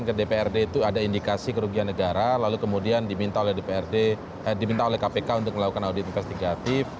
kita menyampaikan ke dprd itu ada indikasi kerugian negara lalu kemudian diminta oleh kpk untuk melakukan audit investigatif